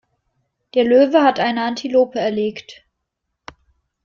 Der Löwe hat eine Antilope erlegt.